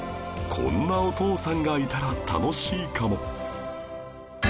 こんなお父さんがいたら楽しいかも